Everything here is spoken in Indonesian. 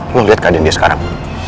lo liat kan yang dia sekarang